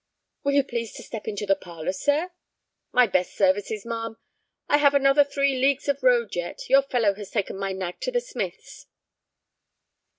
"Will you please to step into the parlor, sir?" "My best services, ma'am; I have another three leagues of road yet. Your fellow has taken my nag to the smith's."